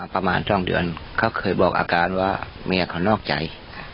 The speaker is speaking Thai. ประมาณ๒เดือนเขาเคยบอกอาการว่าเมียเขานอกใจ